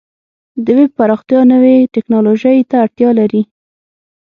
د ویب پراختیا نوې ټکنالوژۍ ته اړتیا لري.